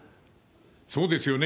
そうですよね。